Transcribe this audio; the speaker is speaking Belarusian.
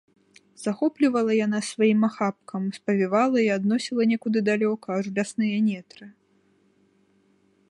Захоплівала яна сваім ахапкам, спавівала і адносіла некуды далёка, аж у лясныя нетры.